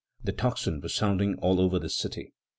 The tocsin was sounding all over the city.